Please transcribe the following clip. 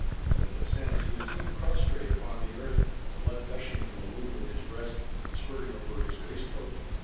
When it ascends, he is seen prostrate upon the earth; the blood gushing from a wound in his breast, and spurting over his waistcoat.